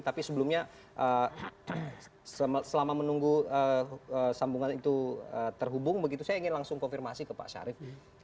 tapi sebelumnya selama menunggu sambungan itu terhubung begitu saya ingin langsung konfirmasi ke pak syarif